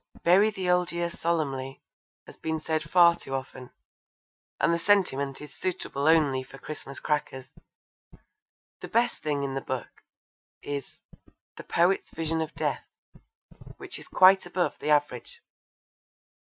'Bury the Old Year Solemnly' has been said far too often, and the sentiment is suitable only for Christmas crackers. The best thing in the book is The Poet's Vision of Death, which is quite above the average.